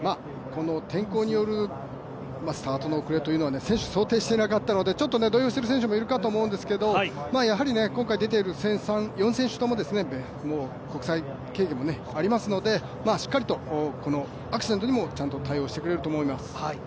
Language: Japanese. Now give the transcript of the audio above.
天候によるスタートの遅れというのは選手、想定していなかったので動揺している選手もいると思うんですが、今回出ている４選手ともに国際経験もありますのでしっかりとアクシデントにも対応してくれると思います。